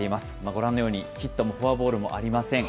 ご覧のように、ヒットもフォアボールもありません。